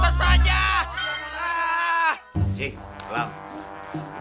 gimana kalau kita bikin diskusi babak kedua